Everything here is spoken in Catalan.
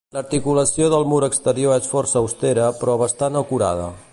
L'articulació del mur exterior és força austera però bastant acurada.